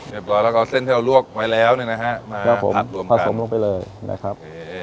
เรียบร้อยแล้วก็เอาเส้นที่เราลวกไว้แล้วเนี่ยนะฮะมาครับผมรวมผสมลงไปเลยนะครับ